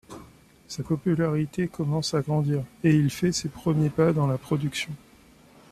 Sa popularité commence à grandir, et il fait ses premiers pas dans la production.